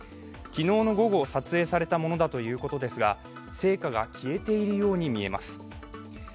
昨日の午後撮影されたものだということですが、聖火が消えているように見えます。